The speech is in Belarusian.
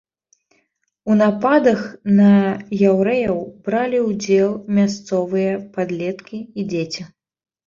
У нападах на яўрэяў бралі ўдзел мясцовыя падлеткі і дзеці.